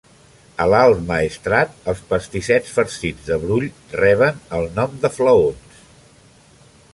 A l'Alt Maestrat, els pastissets farcits de brull reben el nom de flaons.